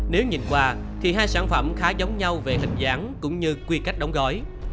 nếu nhìn qua thì hai sản phẩm khá giống nhau về hình dáng cũng như quy cách đóng gói